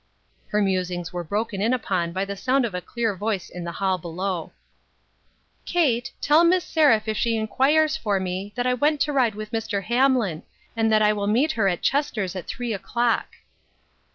Her musings were broken in upon by the sound of a clear voice in the hall below :—" Kate, tell Miss Seraph if she inquires for me, that I went to ride with Mr. Hamlin, and that I will meet her at Chester's at three o'clock."